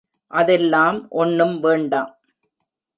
அதெல்லாம் ஒன்னும் வேண்டாம்.